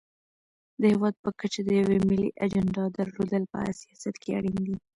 د هېواد په کچه د یوې ملي اجنډا درلودل په سیاست کې اړین دي.